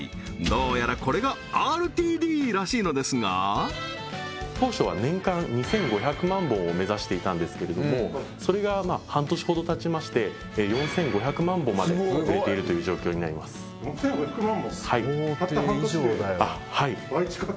どうやらこれがＲＴＤらしいのですが当初は年間２５００万本を目指していたんですけれどもそれがまあ半年ほどたちまして４５００万本まで売れているという状況になります４５００万